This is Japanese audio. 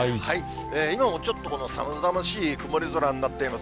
今もちょっと寒々しい曇り空になっています。